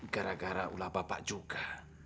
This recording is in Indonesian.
gara gara ulah bapak juga